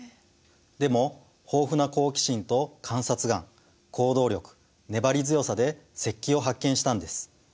でも豊富な好奇心と観察眼行動力粘り強さで石器を発見したんです。